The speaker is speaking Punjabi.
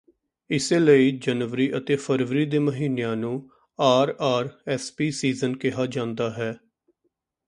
ਇਸੇ ਲਈ ਜਨਵਰੀ ਅਤੇ ਫਰਵਰੀ ਦੇ ਮਹੀਨਿਆਂ ਨੂੰ ਆਰਆਰਐਸਪੀ ਸੀਜ਼ਨ ਕਿਹਾ ਜਾਂਦਾ ਹੈ